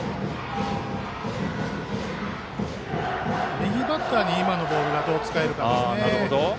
右バッターに今のボールどう使えるかですね。